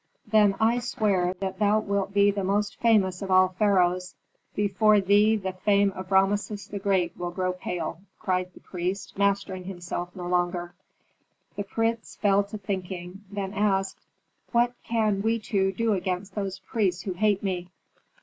"Then I swear that thou wilt be the most famous of all pharaohs; before thee the fame of Rameses the Great, will grow pale!" cried the priest, mastering himself no longer. The prince fell to thinking, then asked, "What can we two do against those priests who hate me?"